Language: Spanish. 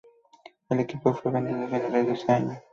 El equipo fue vendido a finales de ese año.